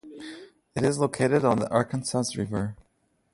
It is located on the Arkansas River.